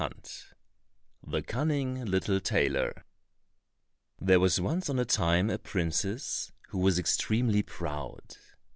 114 The Cunning Little Tailor There was once on a time a princess who was extremely proud.